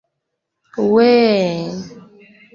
weeeeee